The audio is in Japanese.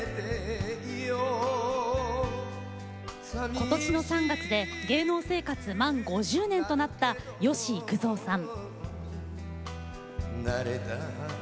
今年の３月で芸能生活満５０年となった、吉幾三さん。